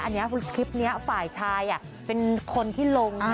อันนี้คลิปนี้ฝ่ายชายเป็นคนที่ลง